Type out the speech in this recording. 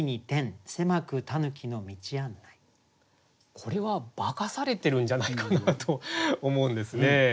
これは化かされてるんじゃないかなと思うんですね。